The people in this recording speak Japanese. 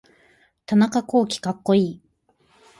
田中洸希かっこいい